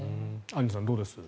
アンジュさんどうです？